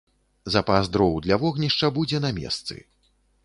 Запас дроў для вогнішча будзе на месцы.